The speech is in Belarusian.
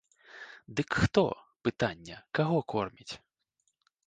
Дык хто, пытанне, каго корміць?